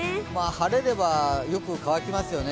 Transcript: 晴れれば、よく乾きますよね。